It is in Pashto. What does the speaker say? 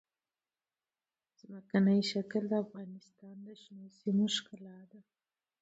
ځمکنی شکل د افغانستان د شنو سیمو ښکلا ده.